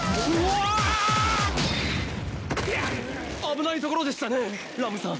危ないところでしたねラムさん。